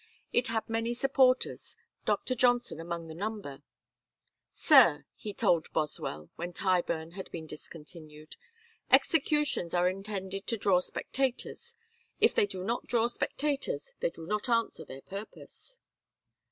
It had many supporters, Doctor Johnson among the number. "Sir," he told Boswell, when Tyburn had been discontinued, "executions are intended to draw spectators. If they do not draw spectators they do not answer their purpose.